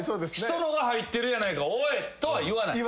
「人のが入ってるやないかおい！」とは言わない？